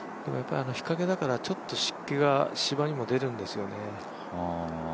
日陰だから、ちょっと湿気が芝にも出るんですよね。